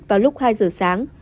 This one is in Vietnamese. vào lúc hai giờ sáng